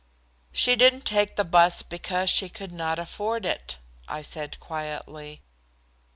"She didn't take the bus because she could not afford it," I said quietly.